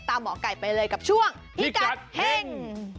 หมอไก่ไปเลยกับช่วงพิกัดเฮ่ง